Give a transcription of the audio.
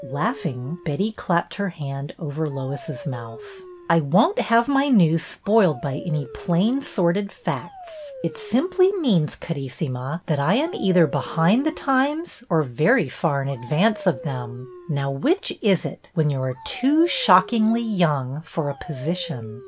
Laughing, Betty clapped her hand over Lois's mouth. " I won't have my news spoiled by any plain, sordid facts. It simply means, Carissima, that 240 BETTY BAIRD'S VENTURES I am either behind the times or very far in ad vance of them. Now, which is it, when you are too ' shockingly young ' for a position